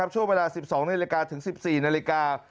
ช่วงเวลา๑๒นาฬิกาถึง๑๔นาฬิกา